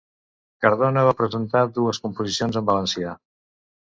Cardona va presentar dues composicions en valencià.